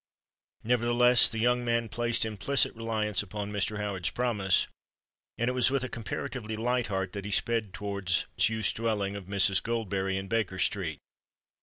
Nevertheless, the young man placed implicit reliance upon Mr. Howard's promise; and it was with a comparatively light heart that he sped towards use dwelling of Mrs. Goldberry, in Baker Street.